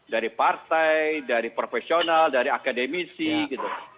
dari partai dari profesional dari akademisi gitu